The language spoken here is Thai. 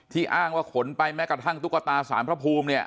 อ้างว่าขนไปแม้กระทั่งตุ๊กตาสารพระภูมิเนี่ย